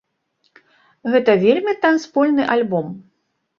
Гэта вельмі танцпольны альбом.